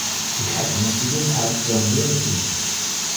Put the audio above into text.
Cat musst jeden Tag Jonglieren üben.